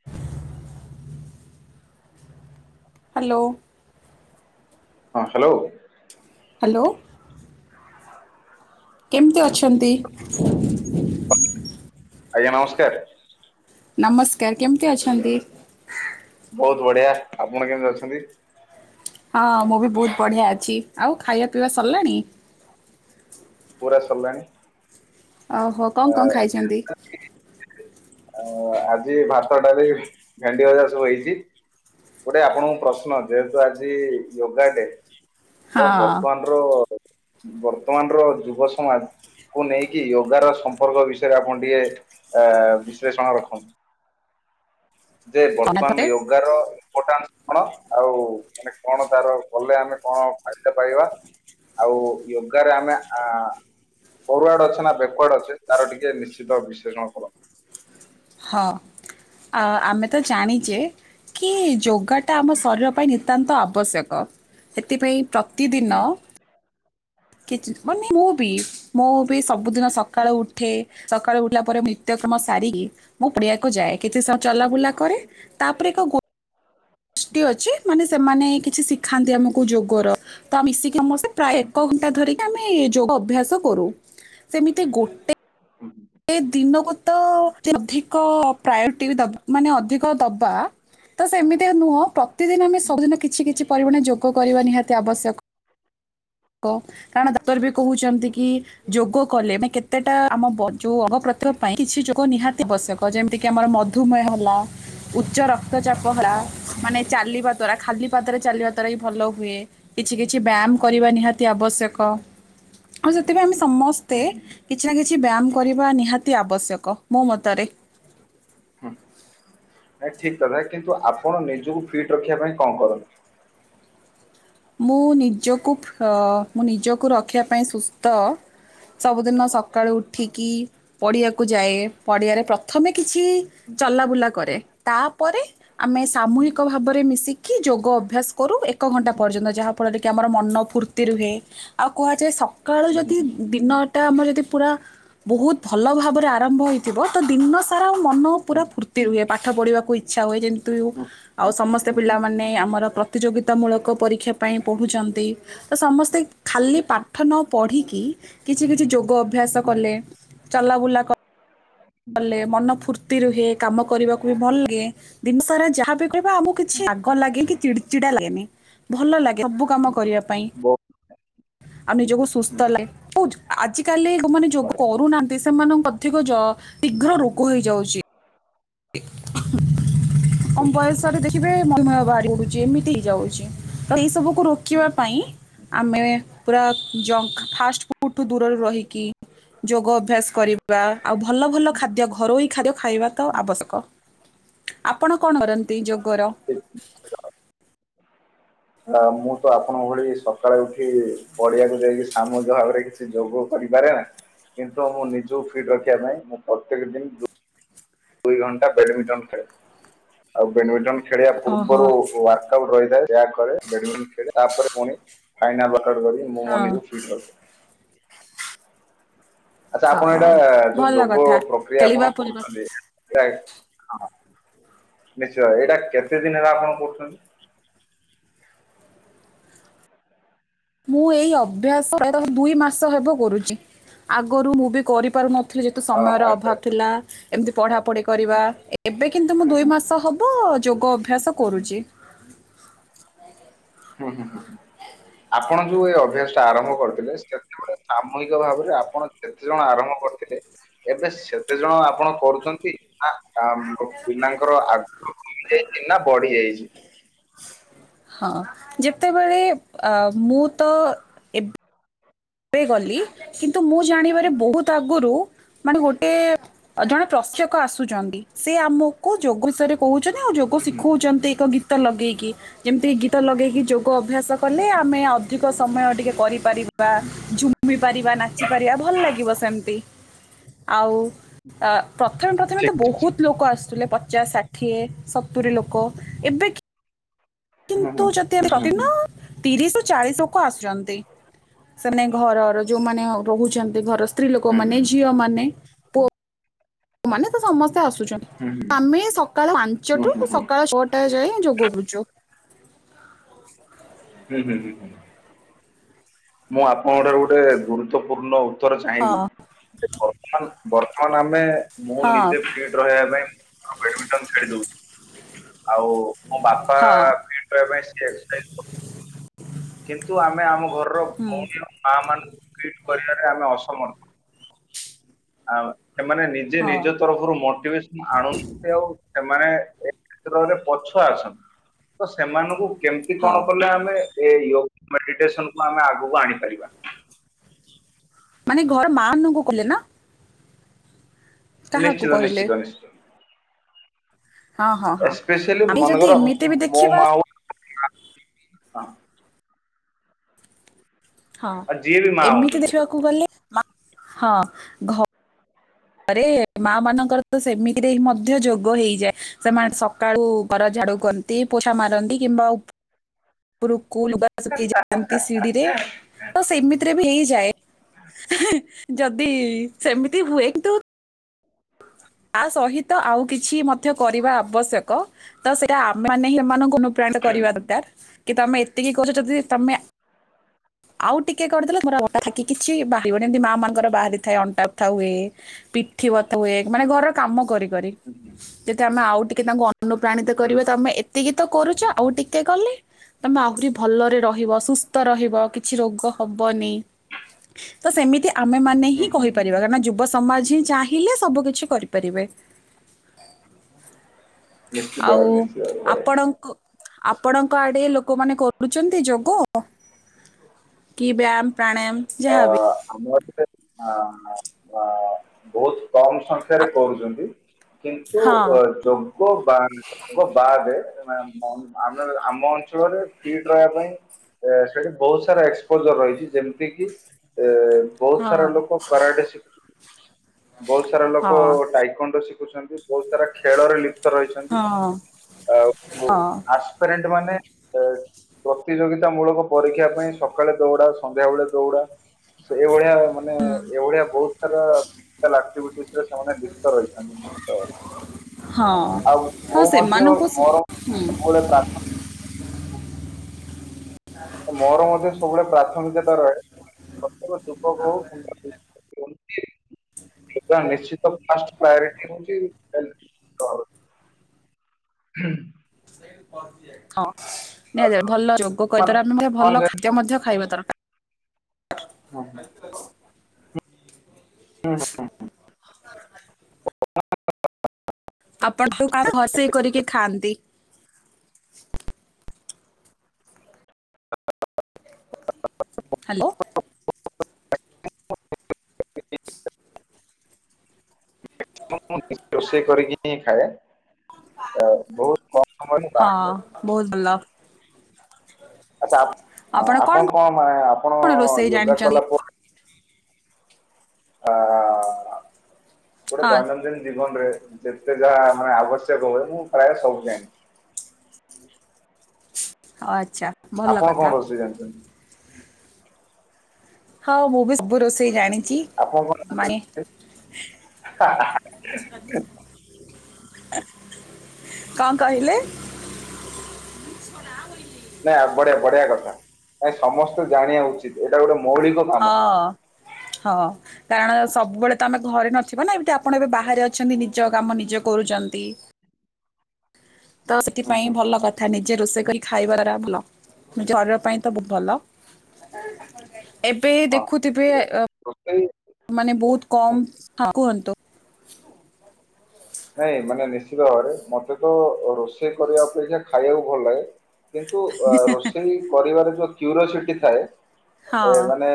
[inaudible] Hello. ହଁ hello. Hello. କେମିତି ଅଛନ୍ତି? ଆଜ୍ଞା ନମସ୍କାର। ନମସ୍କାର। କେମିତି ଅଛନ୍ତି? ବହୁତ ବଢିଆ। ଆପଣ କେମିତି ଅଛନ୍ତି? ହଁ ମୁଁ ବି ବହୁତ ବଢ଼ିଆ ଅଛି। ଆଉ ଖାଇବା ପିଇବା ସରିଲାଣି? ପୁରା ସରିଲାଣି। ଓହୋ ଆ, କଣ କଣ ଖାଇଚନ୍ତି। ଆ ଆଜି ଭାତ ଡାଲି ଭେଣ୍ଡି ଭଜା ସବୁ ହେଇଚି। ଗୋଟେ ଆପଣଙ୍କୁ ପ୍ରଶ୍ନ ଯେହେତୁ ଆଜି ୟୋଗା ଡେ ତ ହଁ ବର୍ତ୍ତମାନ ଆ ବର୍ତ୍ତମାନର ଯୁବ ସମାଜ କୁ ନେଇକି ୟୋଗା ର ସମ୍ପର୍କ ବିଷୟରେ ଆପଣ ଟିକେ ଅ ବିଶ୍ଳେଷଣ ରଖନ୍ତୁ। ଯେ ଥରେ ବର୍ତ୍ତମାନ ୟୋଗା ର ଇମ୍ପୋଟାନ୍ସ କଣ ଆଉ ମାନେ କଣ ତାର କଲେ ଆମେ କଣ ଫାଇଦା ପାଇବା ଆଉ ଓ ୟୋଗାର ଆମେ ଆ ଫରୱାର୍ଡ ଅଛ ନା ବ୍ୟାକ୍ୱାର୍ଡ ଅଚେ ତାର ଟିକେ ନିଶ୍ଚିତ ବିଶ୍ଳେଷଣ କରନ୍ତୁ? ହଁ ଆମେ ତ ଜାଣିଚେ କି ଯୋଗାଟା ଆମ ଶରୀର ପାଇଁ ନତା୍ୟାନ୍ତ ଆବଶ୍ୟକ। ସେଥିପାଇଁ ପ୍ରତିଦିନ ହୁଁ। କିଛି ମାନେ ମୁଁ ବି ମୁଁ ସବୁଦିନ ସକାଳୁ ଉଠେ ସକାଳୁ ଉଠିଲା ପରେ ନିତ୍ୟକ୍ରମ ସାରିକି ମୁଁ ପଡିଆକୁ ଯାଏ କିଛିୁ ସମ ଚଲାବୁଲା କରେ ତାପରେ ଏକ ଗୋ ଷ୍ଟି ଅଛି ମାନେ ସେମାନେ କିଛି ଶିଖାନ୍ତି ଆମକୁ ଯୋଗର ତା ମିଶିକି ସମସ୍ତେ ପ୍ରାୟ ଏକ ଘଣ୍ଟା ଧରିକି ଆମେ ଯୋଗ ଅଭ୍ୟାସ କରୁ। ସେମିତି ଗୋଟେ ହୁଁ ହ। ଏ ଦିନକୁ ତ ଅଧିକ ପ୍ରାୟୋରିଟି ଦବା ମାନେ ଅଧିକ ଦବା। ତ ସେମିତିଆ ନୁହଁ ପ୍ରତିଦିନ ଆମେ ସବୁଦିନ କିଛି କିଛି ପରିମାଣ ଯୋଗ କରିବା ନିହାତି ଆବଶ୍ୟକ। [unintelligible] କାରଣ ଡାକ୍ତର ବି କହୁଚନ୍ତି କି ଯୋଗ କଲେ ମାନ କେତେଟା ଆମ ବ ଯଉ ଅ ପ୍ରତିଭ ପାଇଁ କିଛି ଯୋଗ ନିହାତି ଆବଶ୍ୟକ ଯେମିତି କିି ଆମର ମଧୁମେହ ହେଲା ଉଚ୍ଚର କ୍ତ ଚାପ ହେଲା ମାନେ ଚାଲିବା ଦ୍ଵାରା ଖାଲି ପାଦରେ ଚାଲିବା ଦ୍ଵାରା ହିଁ ଭଲ ହୁଏ। କିଛି କିଛି ବ୍ୟାୟାମ କରିବା ନିହାତି ଆବଶ୍ୟକ ଆଉ ସେଥିପାଇଁ ଆମେ ସମସ୍ତେ ହୁଁ କିଛି ନା କିଛି ବ୍ୟାୟାମ କରିବା ନିହାତି ଆବଶ୍ୟକ ମୋ ମତରେ। ହଁ। ନାଇଁ ଠିକ କଥା କିନ୍ତୁ ଆପଣ ନିଜକୁ ଫିଟ୍ ରଖିବା ପାଇଁ କଣ କରନ୍ତି? ମୁଁ ନିଜକୁ ଫ ମୁଁ ନିଜକୁ ରଖିବା ପାଇଁ ସୁସ୍ଥ ସବୁଦିନ ସକାଳୁ ଉଠିକି ପଡ଼ିଆକୁ ଯାଏ ପଡ଼ିଆରେ ପ୍ରଥମେ କିଛି ଚଲାବୁଲା କରେ ତାପରେ ଆମେ ସାମୁହିକ ଭାବରେ ମିଶିକି ଯୋଗ ଅଭ୍ୟାସ କରୁ ଏକ ଘଣ୍ଟା ପର୍ଯ୍ୟନ୍ତ ଯାହାଫଳରେ କି କି ଆମର ମନ ଫୁର୍ତ୍ତି ରୁହେ ଆଉ କୁହାଯାଏ ସକାଳୁ ଯଦି ଦିନ ଟା ଆମର ଯଦି ପୁରା ବହୁତ ଭଲ ଭାବରେ ଆରମ୍ଭ ହେଇଥିବ ତ ଦିନ ସାରା ଆଉ ମନ ପୁରା ଫୁର ହୁଏ ପାଠ ପଢିବାକୁ ଇଚ୍ଛା ହୁଏ [unintelligible] ସମସ୍ତେ ପିଲାମାନେ ଆମର ପ୍ରତିଯୋଗିତା ମୂଳକ ପରୀକ୍ଷା ପାଇଁ ପଢ଼ୁଚନ୍ତି। ତ ସମସ୍ତେ ଖାଲି ପାଠ ନ ପଢିକି କିଛି କିଛି ଯୋଗ ଅଭ୍ୟାସ କଲେ ଚଲା ବୁଲା କଲେ କଲେ ମନ ଫୁର୍ତ୍ତି ରୁହେ କାମ କରିବାକୁ ବି ଭଲ ଲାଗେ। ଦିନ ସାରା ଯାହା ବିି କରିବା ଆମକୁ କିଛି ରାଗ ଲାଗେନି କି ଚିଡି ଚିଡା ଲାଗେନି। ଭଲ ଲାଗେ ସବୁ କାମ କରିବା ପାଇଁ। ଆଉ ନିଜକୁ ସୁସ୍ଥ ଲାଗେ ହଉ ଆଜିକାଲି ଯୋଉମାନେ ଯୋଗ କରୁନାହାନ୍ତି ସେମାନଙ୍କୁ ଅଧିକ ଜର ଶୀଘ୍ର ରୋଗ ହେଇଯାଉଛି। କମ୍ ବୟଷ ରେ ଦେ ଦେଖିବେ ମନ ଭାରି ପଡୁଛି ଏମିତି ହେଇଯାଉଛି ତ ଏଇ ସବୁ ରୋଗ କୁ ରୋକିବା ପାଇଁ ଆମେ ପୁରା ଜଙ୍କ ଫାଷ୍ଟଫୁଡ଼୍ ଠୁ ଦୂରରେ ରହିକି ଯୋଗ ଅଭ୍ୟାସ କରିବା ଆଉ ଭଲ ଭଲ ଖାଦ୍ୟ ଘରୋଇ ଖାଦ୍ୟ ଖାଇବା। ତ ଆବଶ୍ୟକ ଆପଣ କଣ କରନ୍ତି ଯୋଗର। ଆ [inaudible] ମୁଁ ତ ଆପଣଙ୍କ ଭଳି ସକାଳେ ଉଠି ପଡିଆକୁ ଯାଇକି ସାମୁହିକ ଭାବରେ କିଛି ଯୋଗ କରିପାରେନା କିନ୍ତୁ ମୁଁ ନିଜକୁ ଫିଟ ରଖିବା ପାଇଁ ମୁଁ ପ୍ରତେକ ଦିନ ଦୁଇ ଘଣ୍ଟା ବେଡମିଣ୍ଟନ ଖେଳେ ଆଉ ବେଡମିଣ୍ଟନ ଖେଳିବା ଓହୋ ପୂର୍ବରୁ ୱାର୍କ ଆଉଟ୍ ରହିଥାଏ। ୱାର୍କ କରେ ବ୍ୟଟମୀଣ୍ଟନ ଖେଳେ ତାପରେ ପୁଣି ଫାଇନାଲ ୱାର୍କ ଆଉଟ କରିକି ମୁଁ ମୋ ନିଜକୁ ହଁ ଫିଟ ରଖେ। ଆଚ୍ଛା ଆପଣ ଏଇଟା ହଁ ଯୋଉ ଭଲ ଯୋଗ କଥା ପ୍ରକ୍ରିୟା ଖେଳିବା ଆପଣ ବୁଲିବା କରୁଛନ୍ତି। ହଁ ନିଶ୍ଚୟ ଏଇଟା କେତେ ଦିନ ହେଲା ଆପଣ କରୁଛନ୍ତି? ମୁଁ ଏଇ ଅଭ୍ୟାସ ପ୍ରାୟ ଦୁଇ ମାସ ହେବ କରୁଛି ଆଗରୁ ମୁଁ ବି କରିପାରୁନଥିଲି। ଯେହେତୁ ହଁ, ସମୟର ଆଚ୍ଛା ଅଭାବ ଆଚ୍ଛା। ଥିଲା। ଏମିତି ପଢା ପଢି କରିବା ଏବେ କିନ୍ତୁ ମୁଁ ଦୁଇ ମାସ ହବ ଯୋଗ ଅଭ୍ୟାସ କରୁଛି। ହୁଁ ହୁଁ ହୁଁଁ। ଆପଣ ଯୋଉ ଏଇ ଅଭ୍ୟାସ ଟା ଆରମ୍ଭ କରିଥିଲେ ସେତେବେଳେ ସାମୁହିକ ଭାବରେ ଆପଣ ଯେତେ ଜଣ ଆରମ୍ଭ କରିଥିଲେ ଏବେ ସେତେ ଜଣ ଆପଣ କରୁଛନ୍ତି? ନା ପିଲାଙ୍କର ଆଗ୍ରହ କମି ଜାଇଛି ନା ବଢି ଯାଇଛି? ହଁ ଯେତେବେଳେ ଅ ମୁଁ ତ ଏ ଗଲି କିନ୍ତୁ ମୁଁ ଜାଣିବାରେ ବହୁତ ଆଗରୁ ମାନେ ଗୋଟେ ଜଣେ ପ୍ରସ୍ୟକ ଆସୁଛନ୍ତି ସେ ଆମକୁ ଯୋଗ ବିଷୟରେ କହୁଛନ୍ତି ଆଉ ଯୋଗ ହୁଁ, ହୁଁ, ଶିଖଉଛନ୍ତି ଏକ ଗୀତ ଲଗେଇକି ଯେମିତି ଗୀତ ଲଗେଇକି ହୁଁ, ଯୋଗ ଅଭ୍ୟାସ କଲେ ଆମେ ଅଧିକ ସମୟ ଟିକେ କରିପାରିବା। ହୁଁ। ଘୁମି ପାରିବା ନାଚିପାରିବା ଭଲ ଲାଗିବ ସେମିତି ଆଉ ଅ ପ୍ରଥମେ ପ୍ରଥମେ ଠିକ ତ ଠିକ ବହୁତ ଲୋକ ଆସୁଥିଲେ ପଚାଶ ଷାଠିଏ ସତୁରୀ ସତୁରି ଲୋକ ଏବେ ହୁଁ କିନ୍ତୁ ହଁ ଯଦି ହୁଁ ହୁଁ ପ୍ରତିଦିନ ହୁଁ। ତିରିଶରୁ ଚାଳିଶ ଲୋକ ଆସୁଛନ୍ତି ସେମାନେ ଘରର ଯୋଉମାନେ ରହୁଛନ୍ତି। ଏ ଘର ସ୍ତ୍ରୀ ଲୋକମାନେ ହୁଁ ଝିଅମାନେ। ପୁଅ ମାନେ ତ ସମସ୍ତେ ଆସୁଛନ୍ତି ହୁଁ ଆମେ ସକାଳୁ ପାଞ୍ଚଠୁ ହୁଁ ହୁଁ ସକାଳୁ ଛଅଟା ଟା ଯାଏଁ ଯୋଗ କରୁଛୁ। ହୁଁ ହୁଁ। ମୁଁ ଆପଣଙ୍କ ଠାରୁ ଗୋଟେ ଗୁରୁତ୍ୱପୂର୍ଣ୍ଣ ଉତ୍ତର ଚାହିଁବି। ହଁ ବର୍ତ୍ତମାନ ଆମେ ମୁଁ ହଁ ନିଜେ ଫିଟ୍ ରହିବା ପାଇଁ। ଆଉ ବ୍ୟଟମିଣ୍ଟନ ଖେଳି ଦଉଛି ଆଉ ମୋ ବାପା ହଁ [inaudible] କିନ୍ତୁ ଆମେ ଆମ ଘ ହଁ। ନା ମାନେ ମାନଙ୍କୁ ଟ୍ରିଟ କରିବାରେ ଆମେ ଅସମର୍ଥ ଆଉ ସେମାନେ ଯେ ହଁ ନିଜ ତରଫରୁ ମୋଟିଭେସ ଆଣନ୍ତି ଆଉ ସେମାନେ ଏ କ୍ଷେତ୍ରରେ ପଛୁଆ ଅଛନ୍ତି ତ ସେମାନଙ୍କୁ କେମିତି ହଁ। କଣ କଲେ ଆମେ ଏ ଯୋଗ ମେଡିଟେସନ କୁ ଆମେ ଆଗକୁ ଆଣିପାରିବା? ମାନେ ଘର ମାନଙ୍କୁ କହିଲେ ନା? କାହାକୁ ନିଶ୍ଚିତ କହିଲେ ନିଶ୍ଚିତ ନିଶ୍ଚିତ। ହଁ ହଁ ହଁ। ଏସ୍ପେସିଆଲି ଆମେ ଯଦି ମନେକର ଏମିତି ବି ମୋ ଦେଖିବା ମା ଆଉ ହଁ ଆଉ ଯିଏ ବି ମା ହୁଅନ୍ତୁ ଏମିତି କିଶୋର। ଦେଖିବାକୁ ଗଲେ ହଁ ହଁ ଘ ରେ ମା ମାନଙ୍କର ତ ସେମିତିରେ ହିଁ ମଧ୍ୟ ଯୋଗ ହେଇଯାଏ ସେମାନେ ସକାଳୁ ଘର ଝାଡୁ କରନ୍ତି ପୋଛା ମାରନ୍ତି କିମ୍ବା ଉପୁରୁକୁ ଲୁଗା ଶୁଖେଇ ଯାଆନ୍ତି ସିଡିିରେ ତ ସେମିତିରେ ବି ହେଇଯାଏ। ଯଦି ସେମିତି ହୁଏ କିନ୍ତୁ ତା ସହିତ ଆଉ କିଛି ମଧ୍ୟ କରିବା ଆବଶ୍ୟକ ତ ସେଇଟା ଆମେ ମାନେ ହିଁ ସେମାନଙ୍କୁ ହୁଁ, କରିବା ଦରକାର କି ତମେ ଏତିକି କରୁଛ ଯଦି ତମେ ଆଉ ଟିକେ କରିଦେଲେ ମୋର କିଛି ବଥା ବାହାରିବନ ଏମିତି ମାଆଙ୍କର ବାହାରି ଥାଏ ଅଣ୍ଟା ବଥା ହୁଏ। ପିଠି ବଥ ହୁଏ ମାନେ ଘରର କାମ କରି କରି। ହୁଁ, ହୁଁ, ଯଦି ଆମେ ଆଉ ଟିକେ ତାଙ୍କୁ ଅନୁପ୍ରାଣିତ ହୁଁ, ହୁଁ, କରିବା ତ ଆମେ ଏ ଏତିକି ତ କରୁଛ ଆଉ ଟିକେ କଲେ ତମେ ଆହୁରି ଭଲରେ ରହିବ ସୁସ୍ଥ ରହିବ। କିଛି ରୋଗ ହବନି ତ ସେମିତି ଆମେମାନେ ହିଁ ହୁଁ, ହୁଁ, କହିପାରିବା ହୁଁ। କାରଣ ଯୁ ଯୁବ ସମାଜ ହି ଚାହିଁଲେ ସବୁ କିଛି କରିପାରିବେ। ନିଶ୍ଚିତ ଆଉ ଭାବରେ, ନିଶ୍ଚିତ ଭାବରେ ବଢିଆ। ଆପଣଙ୍କ ଆପଣଙ୍କ ଆଡେ ଲୋକମାନେ କରୁଛନ୍ତି ଯୋଗ? କି ବ୍ୟାୟାମ ପ୍ରାଣାୟାମ ଅ ଯାହାବି? ଆମ ଏଠାରେ ଅ ବହୁତ କମ ସଂଖ୍ୟା [inaudible] ଆପ- କରୁଛନ୍ତି କିନ୍ତୁ ହଁ ଯୋଗ ବାନ ଯୋଗ ବାଦେ ଆମ ଆମ ଅଞ୍ଚଳରେ ଫିଟ ରହିବା ପାଇଁ ଏ ସେଠି ବହୁତ ସାରା ଏକ୍ସପୋଜର ରହିଛି ଯେମିତି କିି ଏ ବହୁତ ସାରା ହଁ ଲୋକ କରାଡେ ଶିଖୁଛନ୍ତି। ବହୁତ ସାରା ହଁ ଲୋକ ଟାଇକଣ୍ଡ ଶିଖୁଛନ୍ତି। ବହୁତ ସାରା ଖେଳରେ ଲିପ୍ତ ରହିଛନ୍ତି ହଁ ଆଉ ହଁ ଆସ ଫ୍ରେଣ୍ଡ ମାନେ ଏ ପ୍ରତିଯୋଗିତା ମୂଳକ ପରୀକ୍ଷା ପାଇଁ ସକାଳେ ଦୌଡା ସନ୍ଧ୍ୟାବେଳେ ଦୌଡା ସେଇଭଳିଆ ମାନେ ଏଇଭଳିଆ ବହୁତ ସାରା ଆକ୍ଟିଭିଟିସ ସେମାନେ ଲିପ୍ତ ରହିଥାନ୍ତି ତ ହଁ ଆଉ ମୁଁ ହଁ ମଧ୍ୟ ସେମାନଙ୍କୁଁ [inaudible] ହଁ। [inaudible] ମୋର ମଧ୍ୟ ସବୁବେଳେ ପ୍ରାଥମିକତା ରହେ ପ୍ରତ୍ୟେକ ଯୁବକ ହଉ [inaudible] [inaudible] ସେଟା ନିଶ୍ଚିତ ଫାଷ୍ଟ ପ୍ରାୟୋରିଟି ହଉଛି ହେଲଥ [inaudible] ହୁଁ। ହଁ ଆ, ନିହା ଭଲ ଯୋଗ ମାନେ କହିଦାର ଆମେ କଣ ଭଲ ଯେ- ଖାଦ୍ୟ ମଧ୍ୟ ଖାଇବା ଦରକାର। ହଁ। ଏଇଟା କଣ? ହୁଁ। ଆପଣ କଉ କାହା ଖସେଇ କରିକି ଖାଆନ୍ତି। ହ୍ୟାଲୋ। ମୁଁ ନି ରୋଷେଇ କରିକି ହିଁ ଖାଏ। ଆ ବହୁତ କମ୍ ସମୟ ମୁଁ ହଁ ବାହାରେ ଖାଏ। ବହୁତ ଭଲ। ଆଛା ଆପ୍ ଆପଣ କଣ ମାଁ, ଆପଣ କଣ ରୋଷେଇ ୟୋଗା ଜାଣିଛନ୍ତି କଲା ପ ଆ ଗୋଟେ ହଁ ଦୈନନ୍ଦିନ ଜୀବନରେ ଯେତେ ଯାହା ମାନେ ଆବଶ୍ୟକ ହୁଏ। ମୁଁ ପ୍ରାୟ ସବୁ ଜାଣିଛି। ଆଚ୍ଛା। ଭଲ ଆପଣ କଥା କଣ ରୋଷେଇ ଜାଣିଛନ୍ତି? ହଁ, ମୁଁ ବି ସବୁ ରୋଷେଇ ଜାଣିଚି। ଆପଣ କଣ ମାଣେ ଜାଣିଛନ୍ତି? କଣ କହିଲେ? ନାଇଁ, ବଢିଆ ବଢିଆ କଥା। ନାଇଁ ସମସ୍ତେ ଜାଣିବା ଉଚିତ ଏଇଟା ଗୋଟେ ମୌଳିକ କାମ। ହଁ, ହଁ। କାରଣ, ସବୁବେଳେ ତ ଆମେ ଘରେ ନଥିବ ନା, ଏମତି ଆପଣ, ଏବେ ବାହାରେ ଅଛନ୍ତି। ନିଜ କାମ ନିଜେ କରୁଛନ୍ତି। ତ ହୁଁ, ସେଥିପାଇଁ ହୁଁ, ଭଲ ହୁଁ। କଥା, ନିଜେ ରୋଷେଇ କଲେ ଖାଇବାରା ଭଲ, ଜର ପାଇଁ ତ ବୁତ୍ ଭଲ। ଏବେ ହିଁ ହଁ ଦେଖୁଥିବେ, ଏ ରୋଷେଇ ମାନେ ବହୁତ କମ୍ ହଁ, କୁହନ୍ତୁ। ନାଇଁ, ମାନେ ନିଶ୍ଚିତ ଭାବରେ। ମତେ ତ ରୋଷେଇ କରିବା ଅପେକ୍ଷା ଖାଇବାକୁ ଭଲ ଲାଗେ। କିନ୍ତୁ, ଅ ରୋଷେଇ କରିବାରେ ଯୋଉ କ୍ୟୁରୋସିଟି ଥାଏ। ହଁ ଏ ମାନେ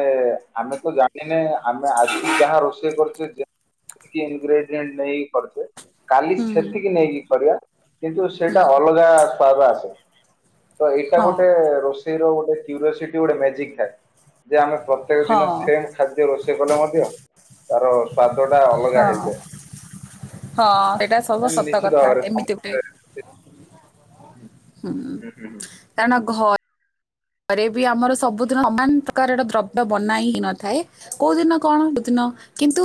ଆମେ ତ ଜାଣିନେ, ଆମେ ଆଜି ଯାହା ରୋଷେଇ କରୁଛେ, ଯେ ଇନ୍ଗ୍ରେଡିଏଣ୍ଟ ନେଇକ କରୁଛେ, କାଲି ହୁଁ ସେତିକି ନେଇକି କରିବା। କିନ୍ତୁ, ସେଇଟା ଅଲଗା ସ୍ଵାଦ୍ ଆସେ, ତ ଏଇଟା ହଁ। ଗୋଟେ ରୋଷ୍ ସେଇର ଗୋଟେ କ୍ୟୁରୋସିଟି, ଗୋଟେ ମେଜିକ୍ ଥାଏ। ଯେ ଆମେ ପ୍ରତ୍ୟେକ ଦିନ ହଁ ସେମ୍ ଖାଦ୍ୟ ରୋଷେଇ କଲେ ମଧ୍ୟ ତାର, ସ୍ଵାଦ ଟା ଅଲଗା ହଁ ହେଇଯାଏ। ହଁ, ସେଇଟା ସବୁ ମାନେ ସତ ନିଶ୍ଚିତ କଥା ଭାବରେ ଏମିତି ହୁଏ। ସମସ୍ତେ ହୁଁ ହୁଁ, ହୁଁ କାରଣ ଘ ଘରେ ବି ଆମର ସବୁଦିନ ସମାନ ପ୍ରକାରର ଦ୍ରବ୍ୟ ବନାଇ ହେଇନଥାଏ। କୋଉ ଦିନ କଣ କୁଦିନ?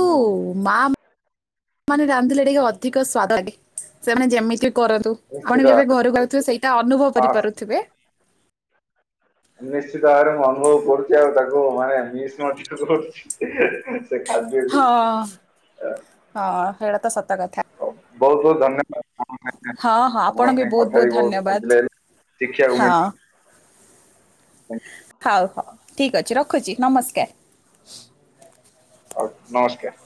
ହୁଁ ହୁଁ, ହୁଁ, ମାଁ ମାନେ ରାନ୍ଧିଲେ ଟିକେ ଅଧିକ ସ୍ଵାଦ ଲାଗେ। ସେମାନେ ଯେମିତି କରନ୍ତୁ। ନିଶ୍ଚିତ ଆପଣ ବି ଯେବେ, ଭାବରେ ଘରୁକୁ ଆଉଥିବେ, ସେଇଟା ଅନୁଭବ ହଁ କରିପାରୁଥିବେ। ନିଶ୍ଚିତ ଭାବରେ ମୁଁ ଅନୁଭବ କରୁଛି। ଆଉ ତାକୁ ମାନେ ମିସ୍ ମଧ୍ୟ କରୁଛି। ସେ ଖାଦ୍ୟକୁ ହଁ, ହଁ, ହେଇଡ଼ା ତ ସତ କଥା। ହଉ, ବହୁତ ବହୁତ ଧନ୍ୟବାଦ। [inaudible] ହଁ ହଁ ଆପଣଙ୍କ ଆପଣଙ୍କୁ ବି ସାଙ୍ଗେ ବହୁତ କଥା ବହୁତ ହେଇ ବହୁତ୍ ଧନ୍ୟବାଦ ଖୁିସିଲାଗିଲା। ଶିକ୍ଷିଆକୁ ହଁ ମିଳିଲା। ହଉ ହଉ ଠିକ୍ ଅଛି। ରଖୁଛି ନମସ୍କାର। ଆଉ, ନମସ୍କାର।